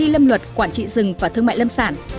lâm luật quản trị rừng và thương mại lâm sản